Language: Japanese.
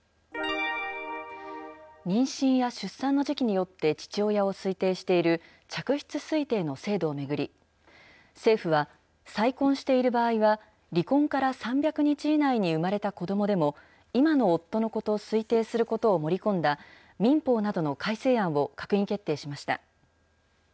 妊娠や出産の時期によって父親を推定している嫡出推定の制度を巡り、政府は、再婚している場合は、離婚から３００日以内に産まれた子どもでも、今の夫の子と推定することを盛り込んだ、民法などの改正案を閣議決定しました。